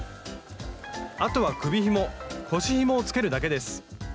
あとは首ひも腰ひもをつけるだけです。